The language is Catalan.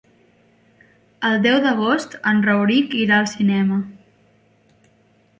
El deu d'agost en Rauric irà al cinema.